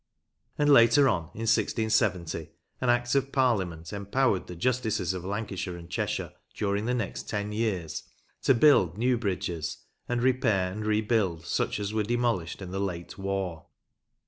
And later on, in 1670, an Act of Parliament empowered the Justices of Lancashire and Cheshire during the next ten years to build new bridges, and repair and rebuild such as were demolished in the late war.